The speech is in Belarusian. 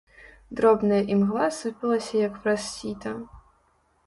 Дробная імгла сыпалася як праз сіта.